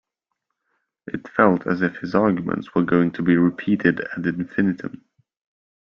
It felt as if his arguments were going to be repeated ad infinitum